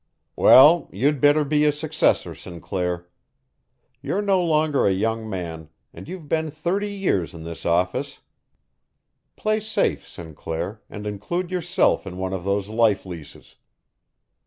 "Well, you'd better be his successor, Sinclair. You're no longer a young man, and you've been thirty years in this office. Play safe, Sinclair, and include yourself in one of those life leases."